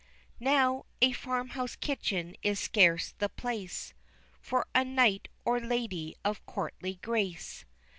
Now, a farm house kitchen is scarce the place For a knight or lady of courtly grace.